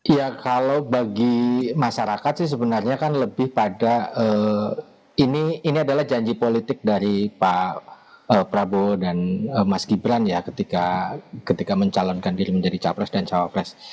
ya kalau bagi masyarakat sih sebenarnya kan lebih pada ini adalah janji politik dari pak prabowo dan mas gibran ya ketika mencalonkan diri menjadi capres dan cawapres